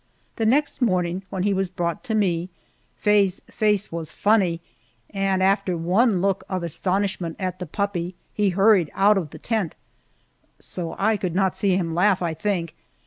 The next morning, when he was brought to me, Faye's face was funny, and after one look of astonishment at the puppy he hurried out of the tent so I could not see him laugh, I think.